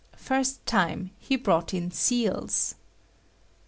First time he brought in seals.